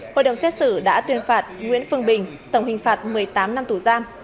hội đồng xét xử đã tuyên phạt nguyễn phương bình tổng hình phạt một mươi tám năm tù giam